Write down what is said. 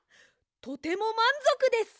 とてもまんぞくです！